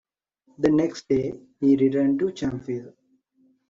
The next day, he returned to Champville.